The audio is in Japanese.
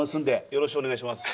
よろしくお願いします。